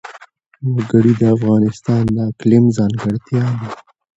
وګړي د افغانستان د اقلیم ځانګړتیا ده.